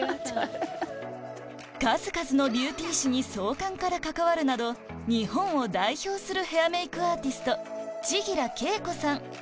数々のビューティー誌に創刊から関わるなど日本を代表するヘアメイクアーティスト千吉良恵子さん